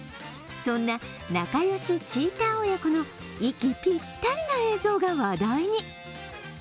そんな仲よしチーター親子の息ぴったりの映像が話題に。